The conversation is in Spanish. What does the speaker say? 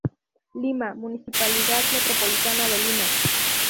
Lima: Municipalidad Metropolitana de Lima.